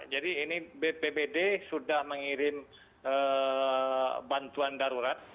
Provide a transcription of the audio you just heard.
jadi ini bppd sudah mengirim bantuan darurat